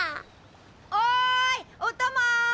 おいおたま！